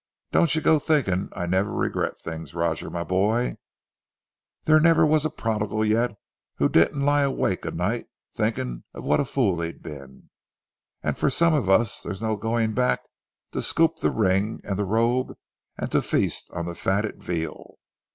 "Don't you go thinking I never regret things, Roger my boy. There never was a prodigal yet who didn't lie awake o' nights thinking what a fool he'd been. And for some of us there's no going back to scoop the ring and the robe and to feast on the fatted veal....